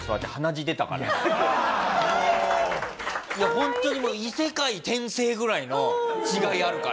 ホントにもう異世界転生ぐらいの違いあるから。